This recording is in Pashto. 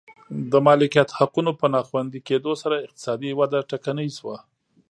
د مالکیت حقونو په ناخوندي کېدو سره اقتصادي وده ټکنۍ شوه.